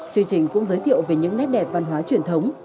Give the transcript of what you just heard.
chương trình cũng giới thiệu về những nét đẹp văn hóa truyền thống